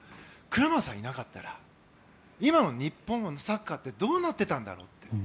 クラマーさんがいなかったら今の日本のサッカーってどうなっていたんだろうって。